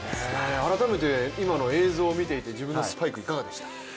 改めて今の映像を見ていて自分のスパイクはいかがでしたか？